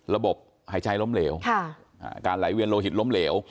ระบบหายใจล้มเหลวการไหลเวียนโลหิตล้มเหลว